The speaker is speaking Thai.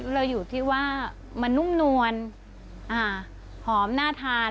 เราอยู่ที่ว่ามันนุ่มนวลหอมน่าทาน